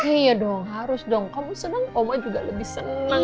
iya dong harus dong kamu senang oma juga lebih senang